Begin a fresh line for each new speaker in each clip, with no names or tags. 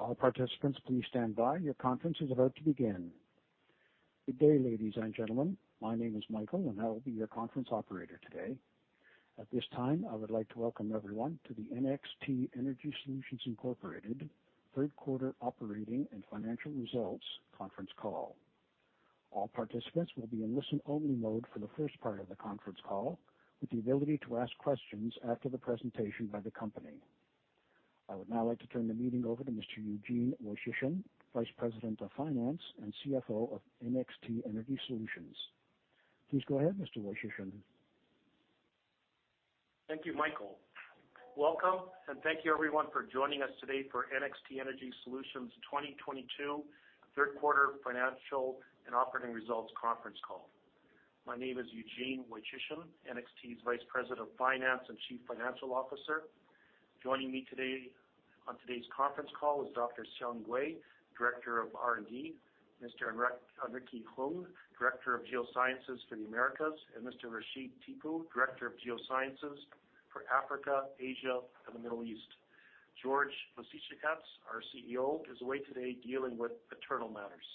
All participants, please stand by. Your conference is about to begin. Good day, ladies and gentlemen. My name is Michael, and I will be your conference operator today. At this time, I would like to welcome everyone to the NXT Energy Solutions Inc. third quarter operating and financial results conference call. All participants will be in listen-only mode for the first part of the conference call, with the ability to ask questions after the presentation by the company. I would now like to turn the meeting over to Mr. Eugene Woychyshyn, Vice President of Finance and CFO of NXT Energy Solutions. Please go ahead, Mr. Woychyshyn.
Thank you, Michael. Welcome, and thank you everyone for joining us today for NXT Energy Solutions 2022 third quarter financial and operating results conference call. My name is Eugene Woychyshyn, NXT's Vice President of Finance and Chief Financial Officer. Joining me today, on today's conference call is Dr. Xiang Gui, Director of R&D, Mr. Enrique Hung, Director of Geosciences for the Americas, and Mr. Rashid Tippu, Director of Geosciences for Africa, Asia, and the Middle East. George Liszicasz, our CEO, is away today dealing with fraternal matters.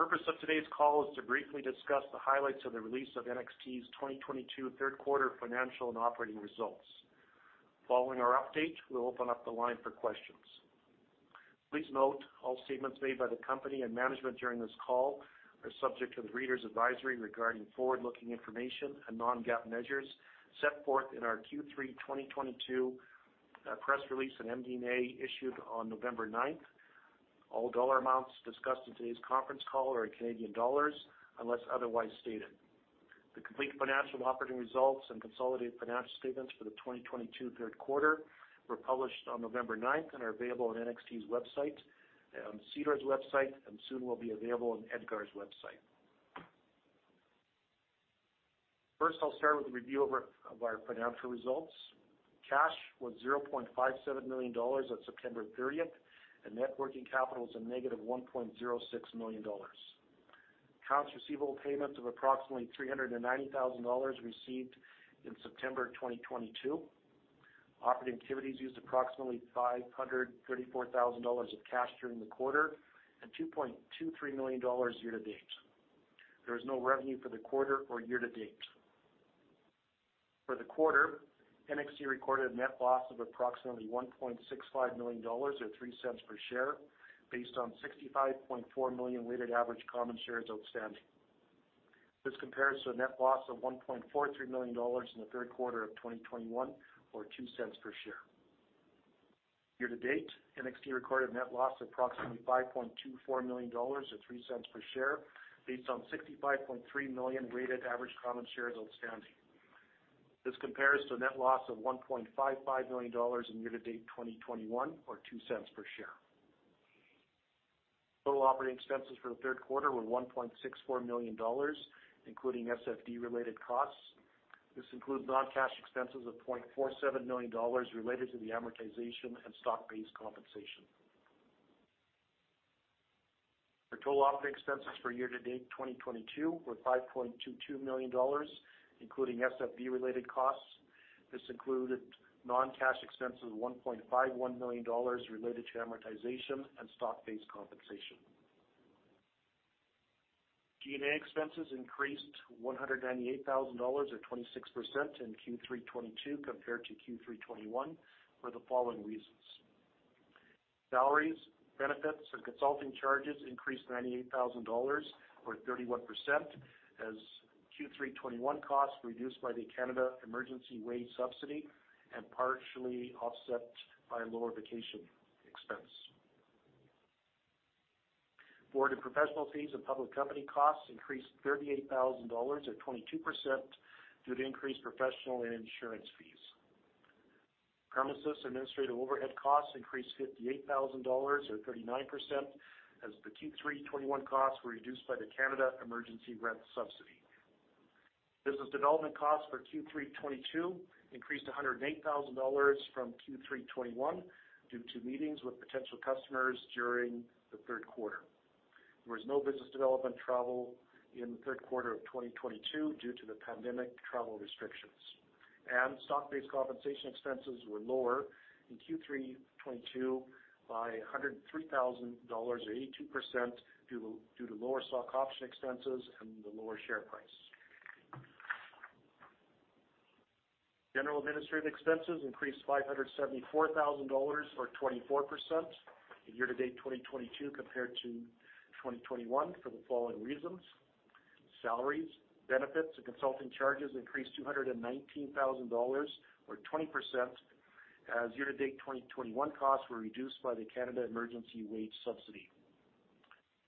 Purpose of today's call is to briefly discuss the highlights of the release of NXT's 2022 third quarter financial and operating results. Following our update, we'll open up the line for questions. Please note, all statements made by the company and management during this call are subject to the reader's advisory regarding forward-looking information and non-GAAP measures set forth in our Q3 2022 press release and MD&A issued on November 9. All dollar amounts discussed in today's conference call are in Canadian dollars, unless otherwise stated. The complete financial operating results and consolidated financial statements for the 2022 third quarter were published on November 9 and are available on NXT's website, on SEDAR's website, and soon will be available on EDGAR's website. First, I'll start with a review of our financial results. Cash was 0.57 million dollars on September 30, and net working capital is a -1.06 million dollars. Accounts receivable payments of approximately 390,000 dollars received in September 2022. Operating activities used approximately 534,000 dollars of cash during the quarter and 2.23 million dollars year to date. There was no revenue for the quarter or year to date. For the quarter, NXT recorded a net loss of approximately 1.65 million dollars, or 0.03 per share, based on 65.4 million weighted average common shares outstanding. This compares to a net loss of 1.43 million dollars in the third quarter of 2021, or 0.02 per share. Year to date, NXT recorded a net loss of approximately 5.24 million dollars, or 0.03 per share, based on 65.3 million weighted average common shares outstanding. This compares to a net loss of 1.55 million dollars in year-to-date 2021, or 0.02 per share. Total operating expenses for the third quarter were 1.64 million dollars, including SFD related costs. This includes non-cash expenses of 0.47 million dollars related to the amortization and stock-based compensation. The total operating expenses for year-to-date 2022 were 5.22 million dollars, including SFD related costs. This included non-cash expenses of 1.51 million dollars related to amortization and stock-based compensation. G&A expenses increased 198,000 dollars or 26% in Q3 2022 compared to Q3 2021 for the following reasons. Salaries, benefits and consulting charges increased 98,000 dollars or 31% as Q3 2021 costs reduced by the Canada Emergency Wage Subsidy and partially offset by lower vacation expense. Board and professional fees and public company costs increased 38,000 dollars or 22% due to increased professional and insurance fees. Premises, administrative overhead costs increased 58,000 dollars or 39% as the Q3 2021 costs were reduced by the Canada Emergency Rent Subsidy. Business development costs for Q3 2022 increased 108,000 dollars from Q3 2021 due to meetings with potential customers during the third quarter. There was no business development travel in the third quarter of 2022 due to the pandemic travel restrictions. Stock-based compensation expenses were lower in Q3 2022 by 103,000 dollars or 82% due to lower stock option expenses and the lower share price. General administrative expenses increased 574,000 dollars or 24% in year-to-date 2022 compared to 2021 for the following reasons. Salaries, benefits, and consulting charges increased 219,000 dollars or 20% as year-to-date 2021 costs were reduced by the Canada Emergency Wage Subsidy.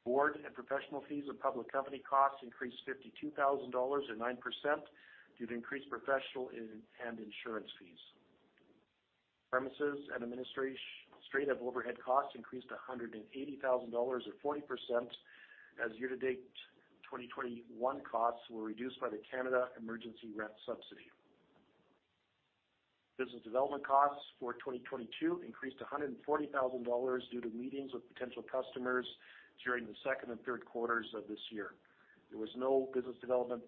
Board and professional fees and public company costs increased 52,000 dollars or 9% due to increased professional and insurance fees. Premises and administrative overhead costs increased 180,000 dollars or 40% as year-to-date 2021 costs were reduced by the Canada Emergency Rent Subsidy. Business development costs for 2022 increased 140,000 dollars due to meetings with potential customers during the second and third quarters of this year. There was no business development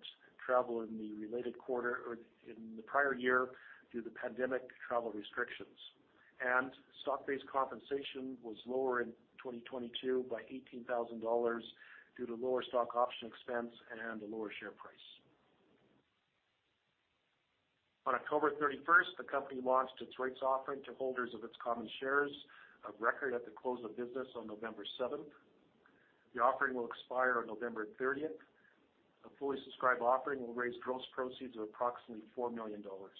travel in the related quarter or in the prior year due to pandemic travel restrictions. Stock-based compensation was lower in 2022 by 18,000 dollars due to lower stock option expense and a lower share price. On October 31st, the company launched its rights offering to holders of its common shares of record at the close of business on November 7th. The offering will expire on November 30th. A fully subscribed offering will raise gross proceeds of approximately 4 million dollars.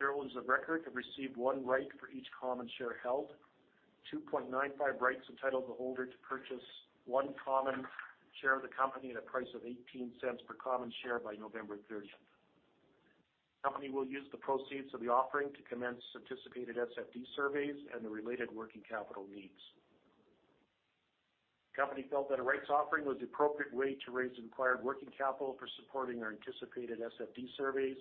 Shareholders of record have received one right for each common share held. 2.95 rights entitle the holder to purchase one common share of the company at a price of 0.18 per common share by November 30. Company will use the proceeds of the offering to commence anticipated SFD surveys and the related working capital needs. Company felt that a rights offering was the appropriate way to raise the required working capital for supporting our anticipated SFD surveys,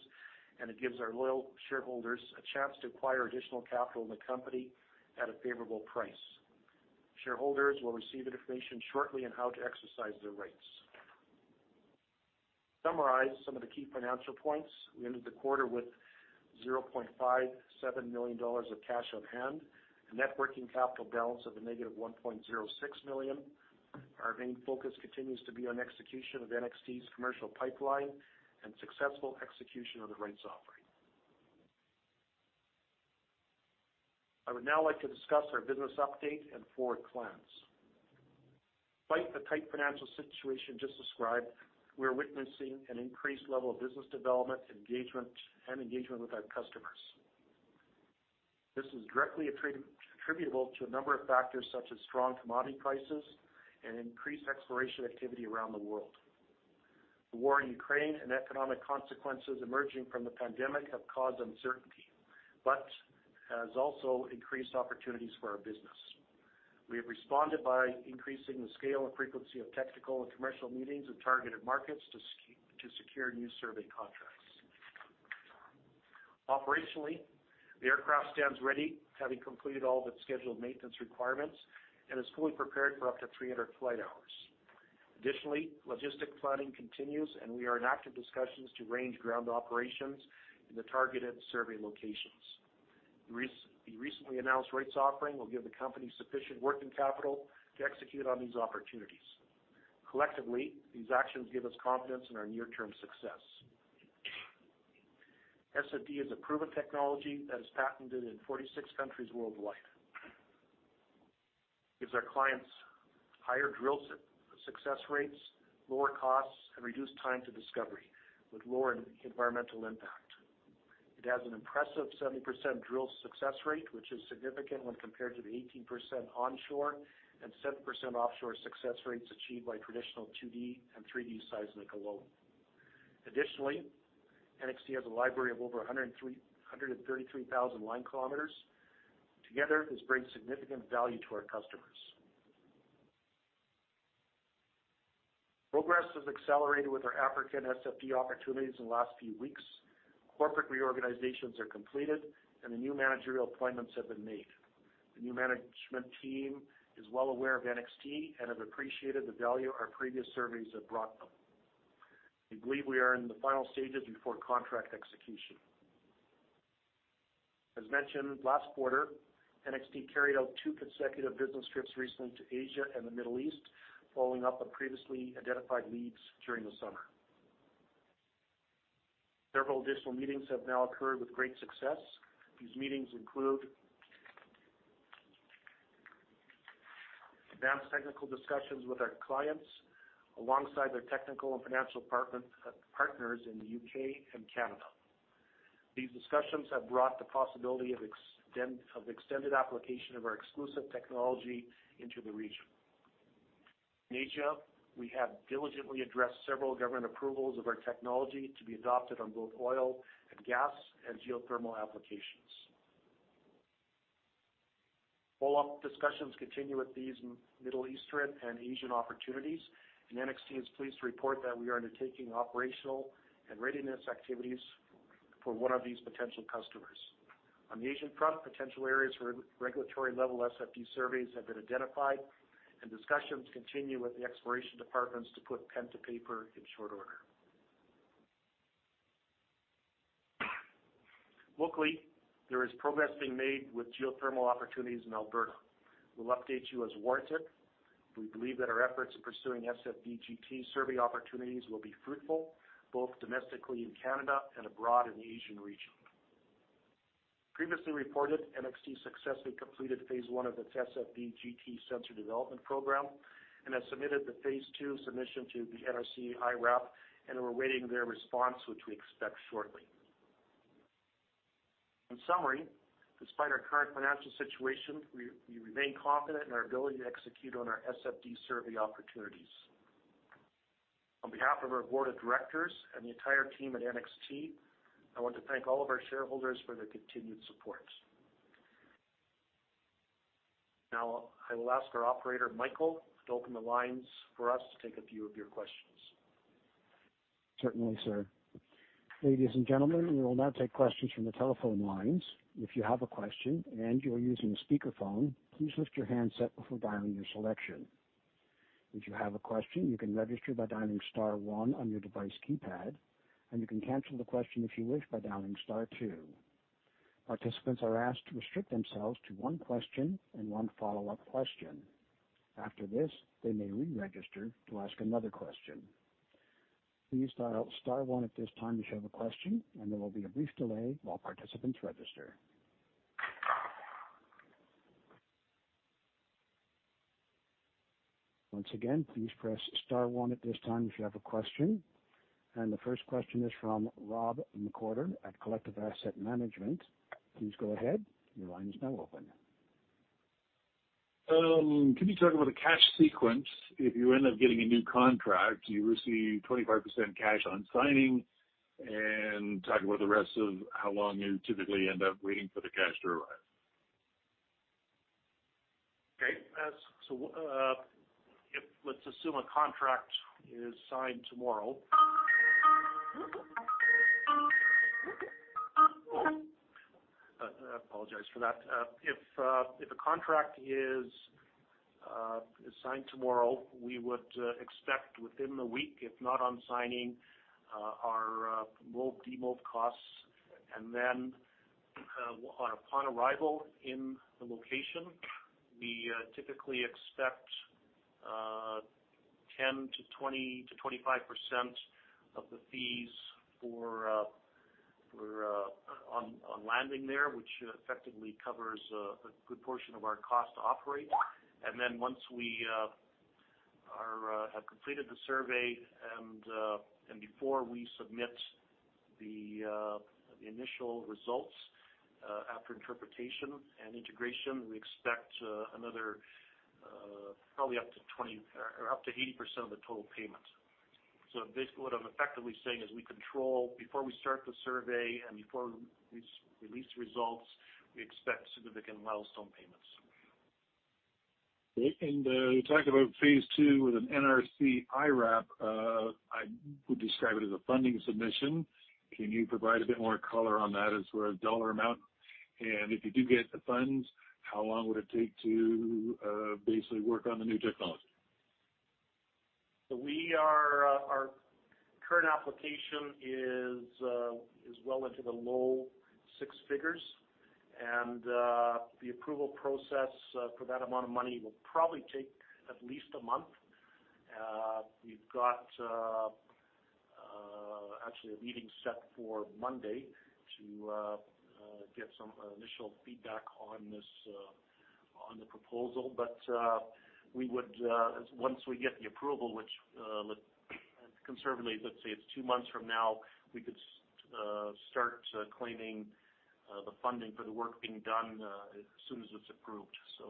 and it gives our loyal shareholders a chance to acquire additional capital in the company at a favorable price. Shareholders will receive information shortly on how to exercise their rights. Summarize some of the key financial points. We ended the quarter with 0.57 million dollars of cash on hand, a net working capital balance of a negative 1.06 million. Our main focus continues to be on execution of NXT's commercial pipeline and successful execution of the rights offering. I would now like to discuss our business update and forward plans. Despite the tight financial situation just described, we're witnessing an increased level of business development engagement and engagement with our customers. This is directly attributable to a number of factors such as strong commodity prices and increased exploration activity around the world. The war in Ukraine and economic consequences emerging from the pandemic have caused uncertainty, but has also increased opportunities for our business. We have responded by increasing the scale and frequency of technical and commercial meetings with targeted markets to secure new survey contracts. Operationally, the aircraft stands ready, having completed all of its scheduled maintenance requirements, and is fully prepared for up to 300 flight hours. Additionally, logistics planning continues, and we are in active discussions to arrange ground operations in the targeted survey locations. The recently announced rights offering will give the company sufficient working capital to execute on these opportunities. Collectively, these actions give us confidence in our near-term success. SFD is a proven technology that is patented in 46 countries worldwide. Gives our clients higher drill success rates, lower costs, and reduced time to discovery with lower environmental impact. It has an impressive 70% drill success rate, which is significant when compared to the 18% onshore and 7% offshore success rates achieved by traditional 2D and 3D seismic alone. Additionally, NXT has a library of over 333,000 line kilometers. Together, this brings significant value to our customers. Progress has accelerated with our African SFD opportunities in the last few weeks. Corporate reorganizations are completed, and the new managerial appointments have been made. The new management team is well aware of NXT and have appreciated the value our previous surveys have brought them. We believe we are in the final stages before contract execution. As mentioned last quarter, NXT carried out two consecutive business trips recently to Asia and the Middle East, following up on previously identified leads during the summer. Several additional meetings have now occurred with great success. These meetings include advanced technical discussions with our clients alongside their technical and financial department, partners in the U.K. and Canada. These discussions have brought the possibility of extended application of our exclusive technology into the region. In Asia, we have diligently addressed several government approvals of our technology to be adopted on both oil and gas and geothermal applications. Follow-up discussions continue with these Middle Eastern and Asian opportunities, and NXT is pleased to report that we are undertaking operational and readiness activities for one of these potential customers. On the Asian front, potential areas for re-regulatory level SFD surveys have been identified and discussions continue with the exploration departments to put pen to paper in short order. Locally, there is progress being made with geothermal opportunities in Alberta. We'll update you as warranted. We believe that our efforts in pursuing SFDGT survey opportunities will be fruitful, both domestically in Canada and abroad in the Asian region. Previously reported, NXT successfully completed phase one of its SFDGT sensor development program and has submitted the phase two submission to the NRC IRAP, and we're awaiting their response, which we expect shortly. In summary, despite our current financial situation, we remain confident in our ability to execute on our SFD survey opportunities. On behalf of our board of directors and the entire team at NXT, I want to thank all of our shareholders for their continued support. Now, I will ask our operator, Michael, to open the lines for us to take a few of your questions.
Certainly, sir. Ladies and gentlemen, we will now take questions from the telephone lines. If you have a question and you are using a speakerphone, please lift your handset before dialing your selection. If you have a question, you can register by dialing star one on your device keypad, and you can cancel the question if you wish by dialing star two. Participants are asked to restrict themselves to one question and one follow-up question. After this, they may re-register to ask another question. Please dial star one at this time if you have a question, and there will be a brief delay while participants register. Once again, please press star one at this time if you have a question. The first question is from Rob McWhirter at Selective Asset Management. Please go ahead. Your line is now open.
Can you talk about the cash sequence? If you end up getting a new contract, do you receive 25% cash on signing? Talk about the rest of how long you typically end up waiting for the cash to arrive.
Okay. Let's assume a contract is signed tomorrow. I apologize for that. If a contract is signed tomorrow, we would expect within the week, if not on signing, our mob, demob costs. Upon arrival in the location, we typically expect 10% to 20% to 25% of the fees for on landing there, which effectively covers a good portion of our cost to operate. Once we have completed the survey and before we submit the initial results after interpretation and integration, we expect another probably up to 20% or up to 80% of the total payment. Basically, what I'm effectively saying is we control before we start the survey and before we release results, we expect significant milestone payments.
Okay. You talked about phase two with an NRC IRAP. I would describe it as a funding submission. Can you provide a bit more color on that as for a dollar amount? And if you do get the funds, how long would it take to basically work on the new technology?
Our current application is well into the low six figures. The approval process for that amount of money will probably take at least a month. We've got actually a meeting set for Monday to get some initial feedback on this proposal. We would, once we get the approval, which let's conservatively say it's two months from now, we could start claiming the funding for the work being done as soon as it's approved.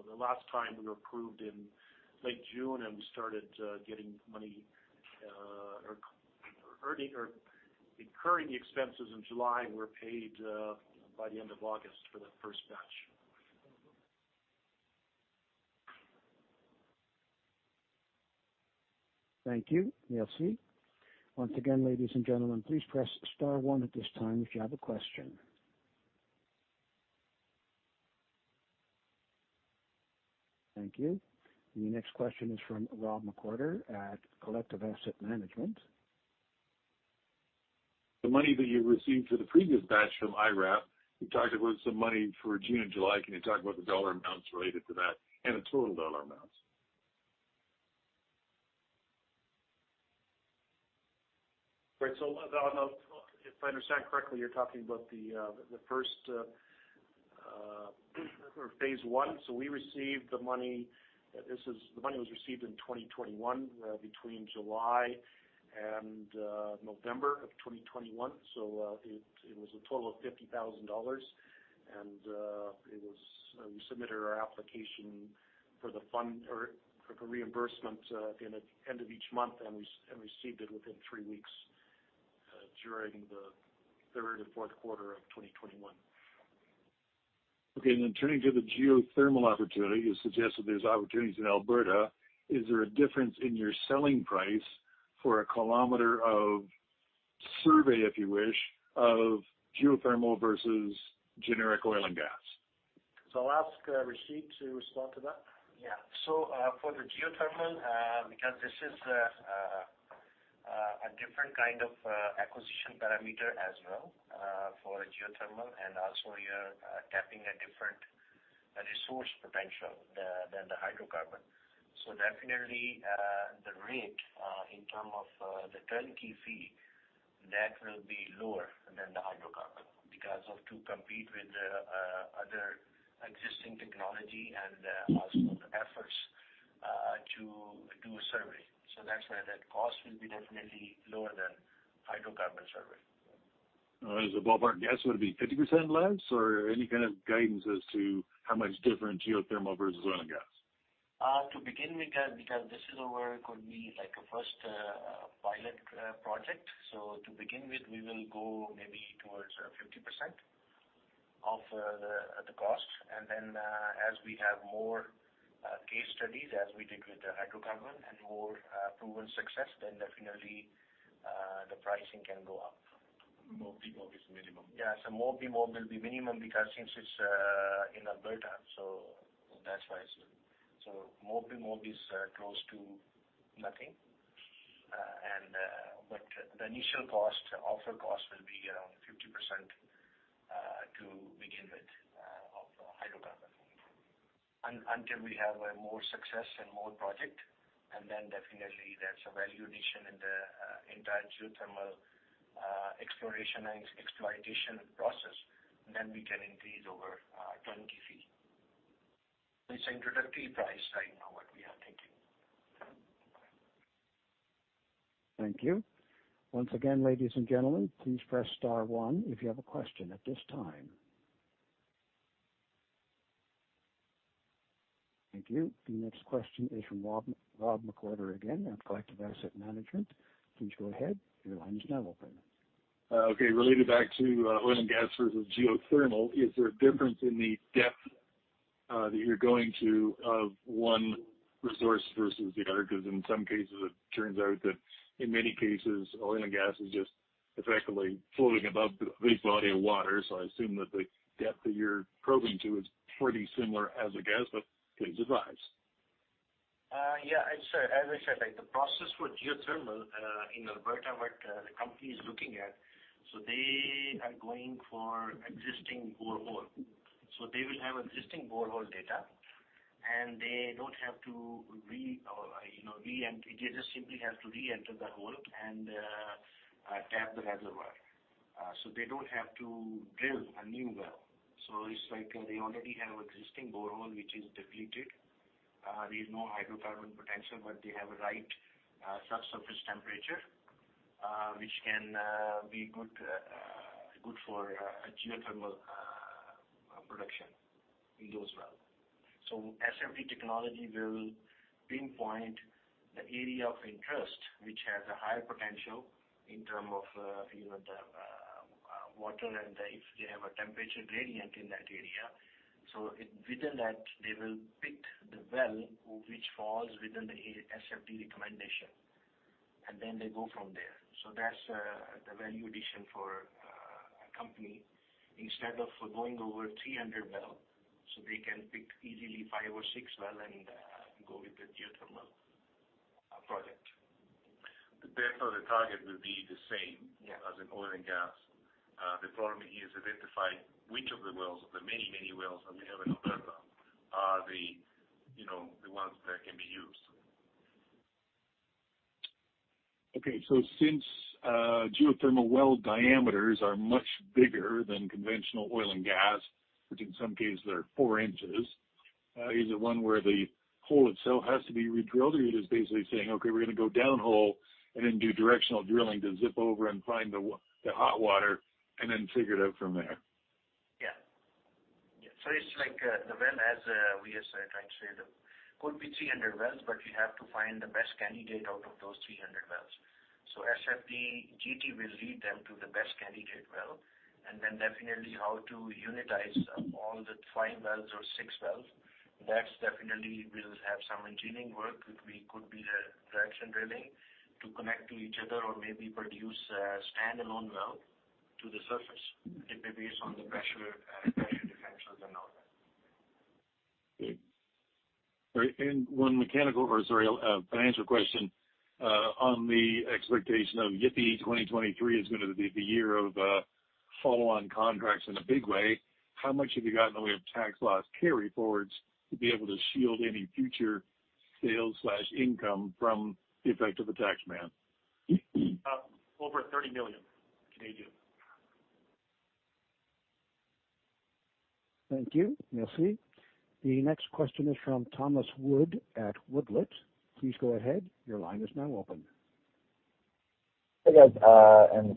The last time we were approved in late June, and we started getting money or earning or incurring the expenses in July, and we're paid by the end of August for the first batch.
Thank you. Merci. Once again, ladies and gentlemen, please press star one at this time if you have a question. Thank you. The next question is from Rob McWhirter at Selective Asset Management.
The money that you received for the previous batch from IRAP, you talked about some money for June and July. Can you talk about the dollar amounts related to that and the total dollar amounts?
Right. If I understand correctly, you're talking about the first or phase one. We received the money. The money was received in 2021, between July and November of 2021. It was a total of 50,000 dollars. It was, we submitted our application for the fund or for reimbursement at the end of each month and we received it within three weeks during the third and fourth quarter of 2021.
Okay. Turning to the geothermal opportunity, you suggested there's opportunities in Alberta. Is there a difference in your selling price for a kilometer of survey, if you wish, of geothermal versus generic oil and gas?
I'll ask Rashid to respond to that.
Yeah. For the geothermal, because this is a different kind of acquisition parameter as well, for a geothermal and also you're tapping a different resource potential than the hydrocarbon. Definitely, the rate in terms of the turnkey fee, that will be lower than the hydrocarbon because of to compete with the other existing technology and also the efforts to do a survey. That's why that cost will be definitely lower than hydrocarbon survey.
As a ballpark guess, would it be 50% less or any kind of guidance as to how much different geothermal versus oil and gas?
To begin with that because this would be like a first pilot project. To begin with, we will go maybe towards 50% of the cost. As we have more case studies, as we did with the hydrocarbons and more proven success, then definitely the pricing can go up.
Mob/demob is minimum.
Yeah. Mob/demob will be minimum because since it's in Alberta, so that's why it's close to nothing. But the initial cost, upfront cost will be around 50% to begin with of the hydrocarbon. Until we have more success and more projects, and then definitely there's a value addition in the entire geothermal exploration and exploitation process, then we can increase over 20% fee. It's introductory price right now that we are taking.
Thank you. Once again, ladies and gentlemen, please press star one if you have a question at this time. Thank you. The next question is from Rob McWhirter again at Selective Asset Management. Please go ahead. Your line is now open.
Okay, related back to oil and gas versus geothermal, is there a difference in the depth that you're going to of one resource versus the other? Because in some cases, it turns out that in many cases, oil and gas is just effectively floating above a big body of water. I assume that the depth that you're probing to is pretty similar as a gas, but please advise.
As I said, like the process for geothermal in Alberta, what the company is looking at, they are going for existing borehole. They will have existing borehole data, and they don't have to re-enter. You know, they just simply have to re-enter the hole and tap the reservoir. They don't have to drill a new well. It's like they already have existing borehole which is depleted. There's no hydrocarbon potential, but they have a right subsurface temperature, which can be good for a geothermal production in those wells. SFD technology will pinpoint the area of interest, which has a higher potential in terms of you know the water and if they have a temperature gradient in that area. Within that, they will pick the well which falls within the SFD recommendation, and then they go from there. That's the value addition for a company instead of going over 300 wells, so they can pick easily five or six wells and go with the geothermal project.
The depth of the target will be the same.
Yeah.
As in oil and gas. The problem is identifying which of the wells, the many, many wells that we have in Alberta are the, you know, the ones that can be used.
Okay. Since geothermal well diameters are much bigger than conventional oil and gas, which in some cases are 4 in, is it one where the hole itself has to be redrilled, or you're just basically saying, "Okay, we're gonna go down hole and then do directional drilling to zip over and find the hot water and then figure it out from there?
Yeah. It's like, the wells, as we are trying to say, there could be 300 wells, but you have to find the best candidate out of those 300 wells. SFD GT will lead them to the best candidate well, and then definitely how to unitize all the five wells or six wells. That definitely will have some engineering work, which could be directional drilling to connect to each other or maybe produce a standalone well to the surface. It may be based on the pressure differentials and all that.
Great. All right. One financial question on the expectation that 2023 is gonna be the year of follow-on contracts in a big way. How much have you got in the way of tax loss carryforwards to be able to shield any future sales/income from the effect of the tax man?
Over CAD 30 million.
Thank you. Merci. The next question is from Tomas Wood at Woodlet. Please go ahead. Your line is now open.
Hey, guys.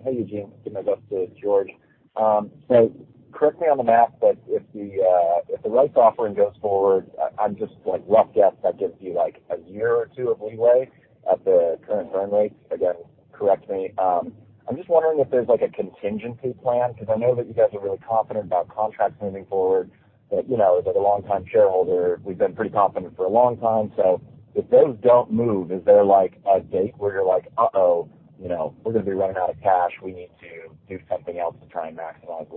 Hey, Eugene. Give my best to George. Correct me on the math, but if the rights offering goes forward, I'm just like rough guess that gives you like a year or two of leeway at the current burn rates. Again, correct me. I'm just wondering if there's like a contingency plan, because I know that you guys are really confident about contracts moving forward. You know, as a longtime shareholder, we've been pretty confident for a long time. If those don't move, is there like a date where you're like, "Uh-oh, you know, we're gonna be running out of cash. We need to do something else to try and maximize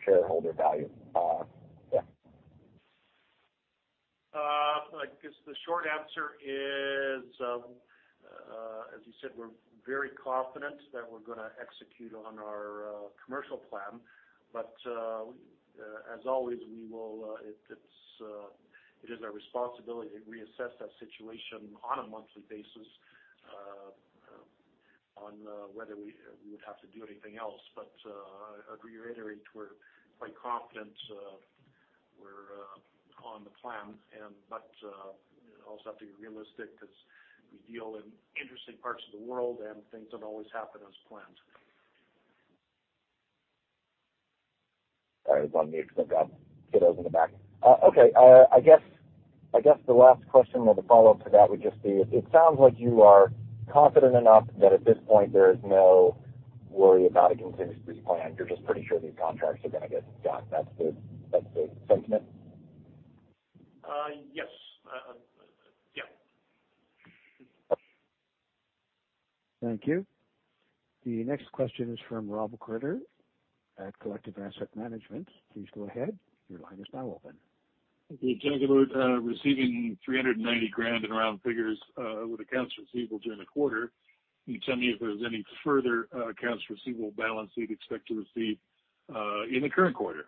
shareholder value?" Yeah.
I guess the short answer is, as you said, we're very confident that we're gonna execute on our commercial plan. As always, it is our responsibility to reassess that situation on a monthly basis, on whether we would have to do anything else. I reiterate we're quite confident, we're on the plan and also have to be realistic because we deal in interesting parts of the world, and things don't always happen as planned.
All right. Let me think. I'll get those in the back. Okay. I guess the last question or the follow-up to that would just be, it sounds like you are confident enough that at this point there is no worry about a contingency plan. You're just pretty sure these contracts are gonna get done. That's the sentiment?
Yes. Yeah.
Thank you. The next question is from Rob McWhirter at Selective Asset Management. Please go ahead. Your line is now open.
Okay. You talked about receiving 390,000 in round figures with accounts receivable during the quarter. Can you tell me if there's any further accounts receivable balance that you'd expect to receive in the current quarter?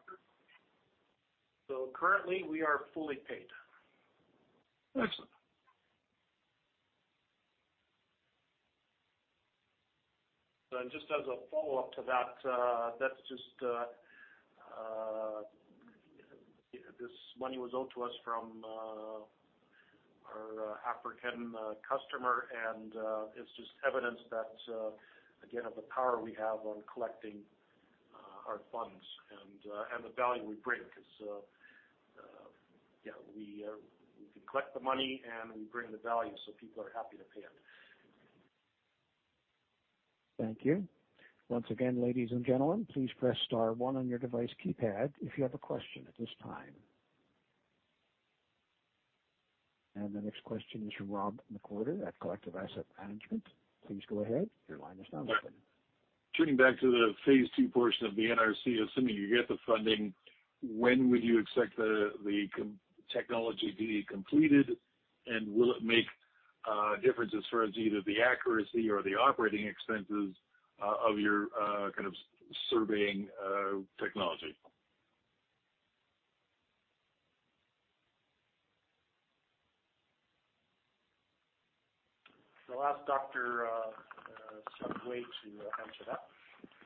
Currently, we are fully paid.
Excellent.
Just as a follow-up to that's just this money was owed to us from our African customer, and it's just evidence that again of the power we have in collecting our funds and the value we bring. Because yeah, we can collect the money and we bring the value so people are happy to pay it.
Thank you. Once again, ladies and gentlemen, please press star one on your device keypad if you have a question at this time. The next question is from Rob McWhirter at Selective Asset Management. Please go ahead. Your line is now open.
Turning back to the phase two portion of the NRC, assuming you get the funding, when would you expect the technology to be completed? Will it make a difference as far as either the accuracy or the operating expenses of your kind of surveying technology?
I'll ask Dr. Xiang Gui to answer that.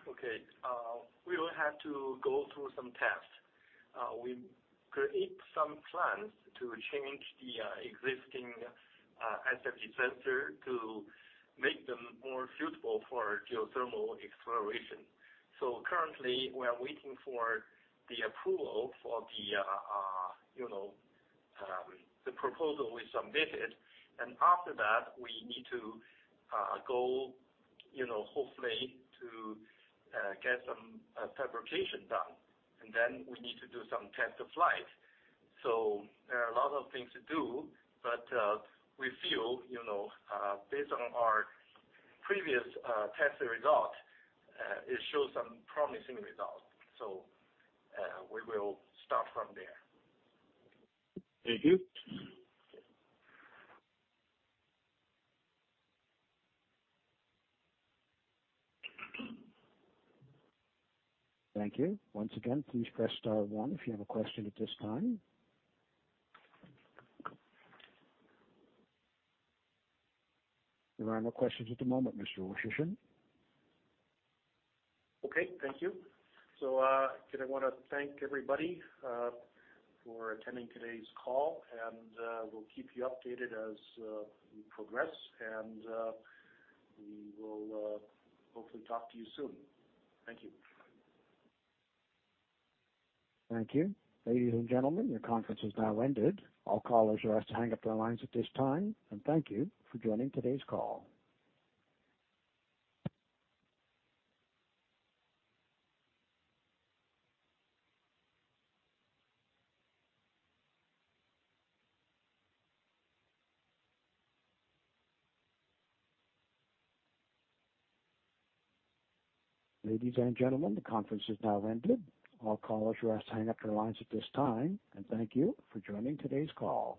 Okay. We will have to go through some tests. We create some plans to change the existing SFD sensor to make them more suitable for geothermal exploration. Currently, we are waiting for the approval for the you know the proposal we submitted. After that, we need to go you know hopefully to get some fabrication done. Then we need to do some test of flight. There are a lot of things to do, but we feel you know based on our previous testing result it shows some promising results. We will start from there.
Thank you.
Thank you. Once again, please press star one if you have a question at this time. There are no more questions at the moment, Mr. Woychyshyn.
Okay. Thank you. Again, I wanna thank everybody for attending today's call, and we'll keep you updated as we progress, and we will hopefully talk to you soon. Thank you.
Thank you. Ladies and gentlemen, your conference has now ended. All callers are asked to hang up their lines at this time, and thank you for joining today's call. Ladies and gentlemen, the conference is now ended. All callers are asked to hang up their lines at this time, and thank you for joining today's call.